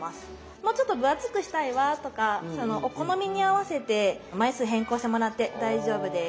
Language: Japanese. もうちょっと分厚くしたいわとかお好みに合わせて枚数変更してもらって大丈夫です。